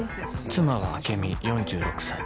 妻は朱美４６歳。